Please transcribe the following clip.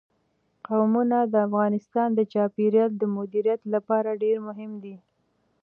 قومونه د افغانستان د چاپیریال د مدیریت لپاره ډېر مهم دي.